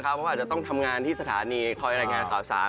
เขาอาจจะต้องทำงานที่สถานีคอยรายงานข่าวสาร